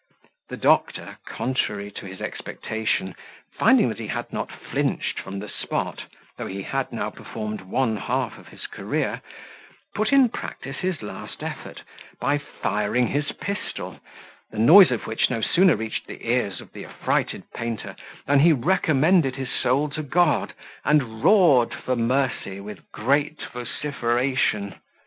The doctor, contrary to his expectation, finding that he had not flinched from the spot, though he had now performed one half of his career, put in practice his last effort, by firing his pistol, the noise of which no sooner reached the ears of the affrighted painter, than he recommended his soul to God, and roared for mercy with great vociferation.